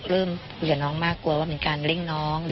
เริ่มด้วยน้องมากกลัวว่าเป็นการเร่งน้อง